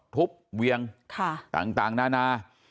เวียงต่างนานา